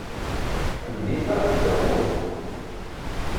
Ldit-aɣ-d tawwurt.